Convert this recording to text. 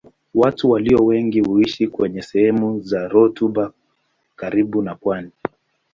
Watu walio wengi huishi kwenye sehemu za rutuba karibu na pwani.